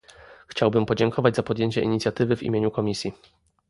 Chciałbym podziękować za podjęcie inicjatywy w imieniu Komisji